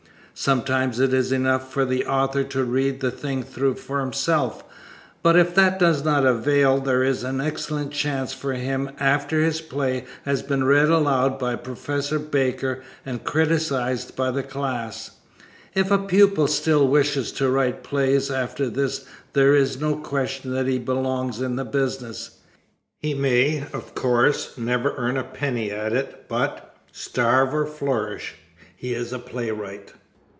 Sometimes it is enough for the author to read the thing through for himself, but if that does not avail there is an excellent chance for him after his play has been read aloud by Professor Baker and criticized by the class. If a pupil still wishes to write plays after this there is no question that he belongs in the business. He may, of course, never earn a penny at it but, starve or flourish, he is a playwright.